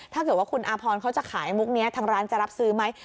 ถ้าเกิดว่าคุณอาพรเขาจะขายมุกนี้ทางร้านจะรับซื้อไหม